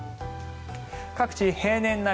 各地、平年並み。